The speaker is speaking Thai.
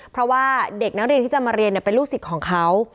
เพราะว่าเด็กนักเรียนที่จะมาเรียนเป็นลูกศิษย์ของเขา